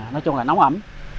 nói chung là nóng ấm